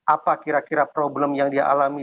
apa kira kira problem yang dia alami